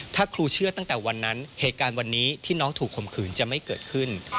ถ้าครูเชื่อตั้งแต่วันนั้นเหตุการณ์วันนี้ที่น้องถูกข่มขืนจะไม่เกิดขึ้น